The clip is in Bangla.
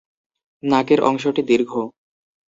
নাকের অংশটি দীর্ঘ।